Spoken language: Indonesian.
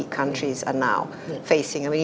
yang sekarang terhadap